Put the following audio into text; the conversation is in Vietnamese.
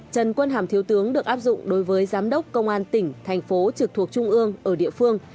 trần quân hàm thiếu tướng được áp dụng đối với giám đốc công an tỉnh thành phố trực thuộc trung ương ở địa phương